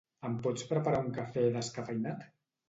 Em pots preparar un cafè descafeïnat?